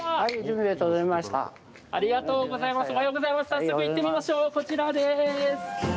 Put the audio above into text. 早速行ってみましょうこちらです。